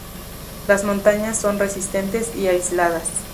Las montañas son resistentes y aisladas.